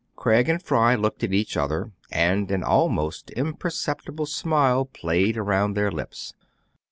Craig and Fry looked at each other, and an almost imperceptible smile played around their lips.